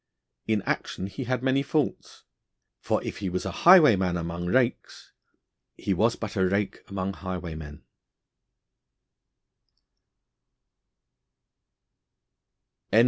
In action he had many faults, for, if he was a highwayman among rakes, he was but a rake among highwaymen.